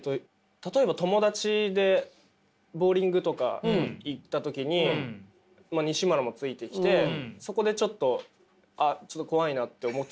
例えば友達でボウリングとか行った時ににしむらもついてきてそこでちょっとアハハハハハ。